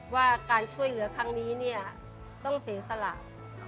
ว่าการช่วยเหลือทั้งนี้ต้องเสียสลัก